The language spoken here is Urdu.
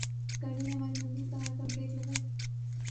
گاڑی نے ہماری منزل پر آ کر بریک لگائی